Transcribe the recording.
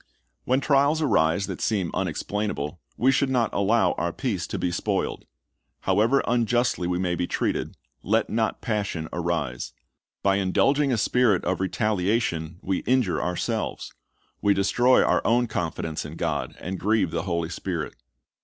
When trials arise that seem unexplainable, we should not allow our peace to be spoiled. However unjustly we may be treated, let not passion arise. By indulging a .spirit ' Isa. 59:14, 15 172 C liri st's bj c c t Lessons of retaliation we injure ourselves. We destroy our own confidence in God, and grieve the Holy Spirit.